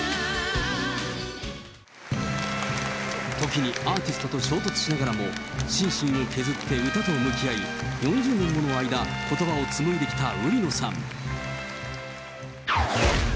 時にアーティストと衝突しながらも心身を削って歌と向き合い、４０年もの間ことばをつむいできた売野さん。